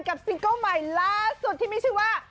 ซิงเกิ้ลใหม่ล่าสุดที่มีชื่อว่า